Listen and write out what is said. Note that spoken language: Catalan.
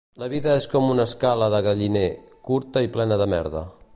La vida és com una escala de galliner, curta i plena de merda.